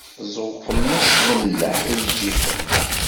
Ẓewqem-as lemleḥ, i lǧifa-k!